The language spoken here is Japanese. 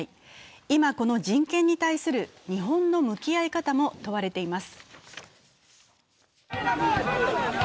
今、この人権に対する日本の向き合い方も問われています。